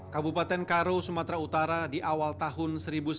kabupaten karo sumatera utara di awal tahun seribu sembilan ratus sembilan puluh